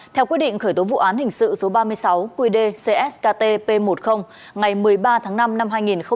theo quy định khởi tố vụ án hình sự số ba mươi sáu qd cskt p một mươi ngày một mươi ba tháng năm năm hai nghìn hai mươi một